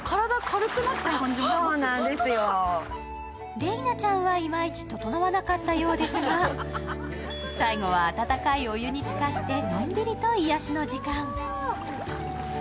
麗菜ちゃんはいまいち整わなかったようですが、最後は温かいお湯につかってのんびりと癒やしの時間。